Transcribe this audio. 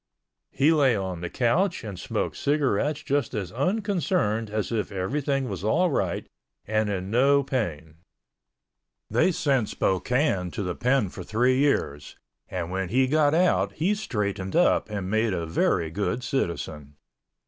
He lay on the couch and smoked cigarettes just as unconcerned as if everything was all right and in no pain. They sent Spokane to the Pen for three years and when he got out he straightened up and made a very good citizen.